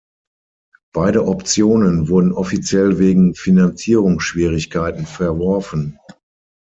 Beide Optionen wurden offiziell wegen Finanzierungsschwierigkeiten verworfen.